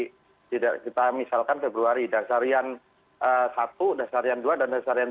tidak kita misalkan februari dasarian satu dasarian dua dan dasarian dua